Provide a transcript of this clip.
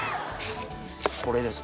これです。